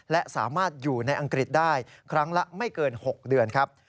และสามารถอยู่ในอังกฤษได้ครั้งละไม่เกิน๖เดือนครับ